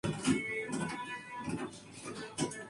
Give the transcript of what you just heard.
Francis Wood y en áreas de la ciudad de Monterey Heights.